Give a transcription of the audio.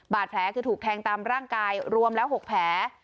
บาดแผลคือถูกแทงตามร่างกายรวมแล้ว๖แผล